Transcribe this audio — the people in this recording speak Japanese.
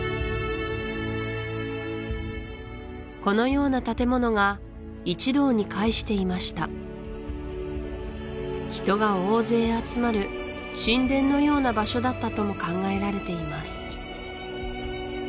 このような建物が一堂に会していました人が大勢集まる神殿のような場所だったとも考えられています